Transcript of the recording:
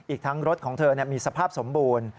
อีกทั้งรถของเธอมีสภาพสมบูรณ์